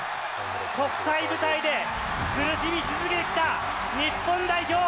国際舞台で、苦しみ続けてきた日本代表。